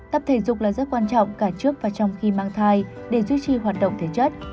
tập thể dục là rất quan trọng cả trước và trong khi mang thai để duy trì hoạt động thể chất